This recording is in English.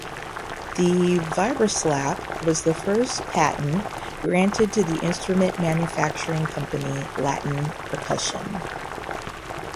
The vibraslap was the first patent granted to the instrument manufacturing company Latin Percussion.